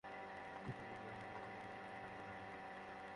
প্রথমবারের মতো ব্যাংক ডাকাতি করতে গিয়ে দেখল ভুল সময়ে এসেছে তারা।